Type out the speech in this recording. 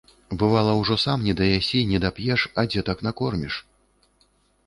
Бывала, ужо сам недаясі, недап'еш, а дзетак накорміш.